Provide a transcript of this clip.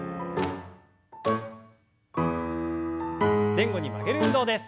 前後に曲げる運動です。